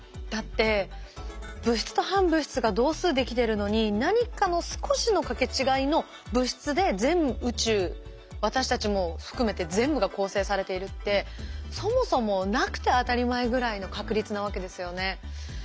だって物質と反物質が同数できてるのに何かの少しのかけ違いの物質で全宇宙私たちも含めて全部が構成されているってそもそもなくて当たり前ぐらいの確率なわけですよね。